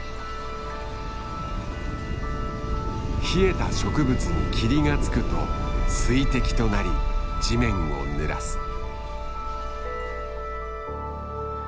冷えた植物に霧が付くと水滴となり地面をぬらす。